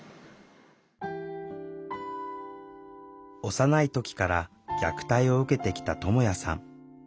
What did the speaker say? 幼い時から虐待を受けてきたともやさん。